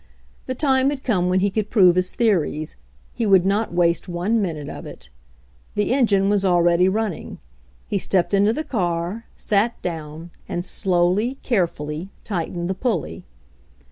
The time had come when he could prove his theories. He would not waste one minute of it. The engine was already running. He stepped into the car, sat down, and slowly, carefully, tightened the pulley.